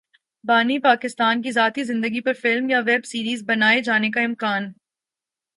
بانی پاکستان کی ذاتی زندگی پر فلم یا ویب سیریز بنائے جانے کا امکان